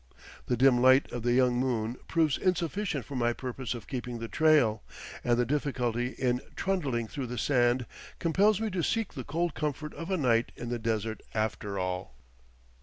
The dim light of the young moon proves insufficient for my purpose of keeping the trail, and the difficulty in trundling through the sand compels me to seek the cold comfort of a night in the desert, after all.